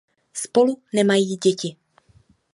Spolu nemají děti.